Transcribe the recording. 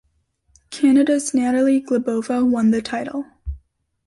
Canada's Natalie Glebova won the title.